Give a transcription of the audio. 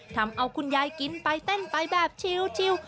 ทำเอาคุณยายกินไปเต้นไปแบบชิว